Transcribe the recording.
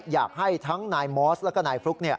อยากให้ทั้งนายมอสแล้วก็นายฟลุ๊ก